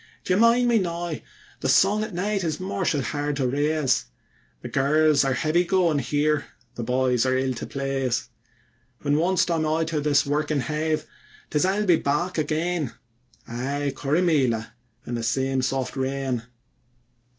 D'ye mind me now, the song at night is mortial hard to raise, The girls are heavy goin' here, the boys are ill to plase; When ones't I'm out this workin' hive, 'tis I'll be back again Aye, Corrymeela in the same soft rain.